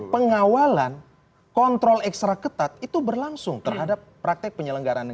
pengawalan kontrol ekstra ketat itu berlangsung terhadap prakara yang terjadi